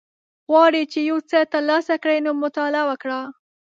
غواړی چی یوڅه تر لاسه کړی نو مطالعه وکړه